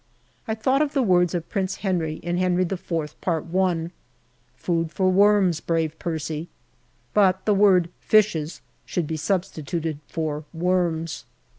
I thought of the words of Prince Henry in " Henry IV," Part I :" Food for worms, brave Percy," but the word " fishes " should be substituted for " worms."